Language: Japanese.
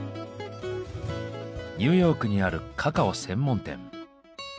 ニューヨークにあるカカオ専門店。